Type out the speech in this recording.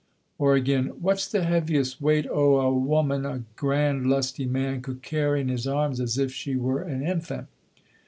Or again, "What's the heaviest weight o' a woman a grand lusty man could carry in his arms as if she were an infant?"